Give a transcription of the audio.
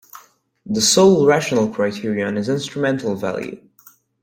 The sole rational criterion is instrumental value.